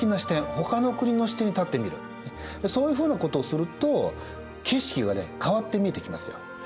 他の国の視点に立ってみるそういうふうなことをすると景色がね変わって見えてきますよ。